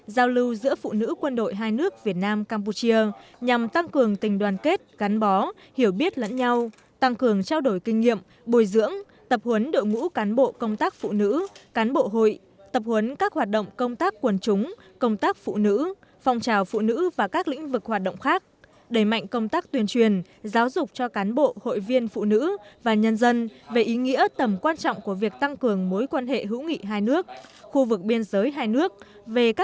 giao lưu giữa phụ nữ quân đội hai nước việt nam campuchia nhằm tăng cường tình đoàn kết gắn bó hiểu biết lẫn nhau tăng cường trao đổi kinh nghiệm bồi dưỡng tập huấn đội ngũ cán bộ công tác phụ nữ cán bộ hội tập huấn các hoạt động công tác quần chúng công tác phụ nữ phòng trào phụ nữ và các lĩnh vực hoạt động khác đẩy mạnh công tác tuyên truyền giáo dục cho cán bộ hội viên phụ nữ và nhân dân về ý nghĩa tầm quan trọng của việc tăng cường mối quan hệ hữu nghị hai nước khu vực biên giới hai nước